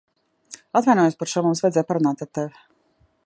Atvainojos par šo. Mums vajadzēja parunāt ar tevi.